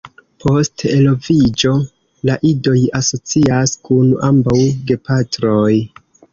Post eloviĝo, la idoj asocias kun ambaŭ gepatroj.